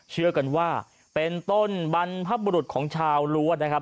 เชื่อกันว่าเป็นต้นบรรพบุรุษของชาวรั้วนะครับ